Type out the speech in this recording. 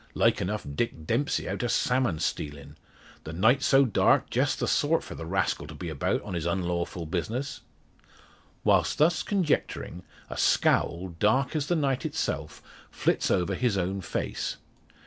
Like enough Dick Dempsey out a salmon stealin'! The night so dark just the sort for the rascal to be about on his unlawful business." While thus conjecturing, a scowl, dark as the night itself, flits over his own face.